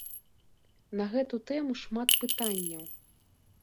На гэту тэму шмат пытанняў.